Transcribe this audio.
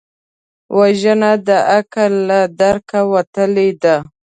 وژنه د عقل له درکه وتلې ده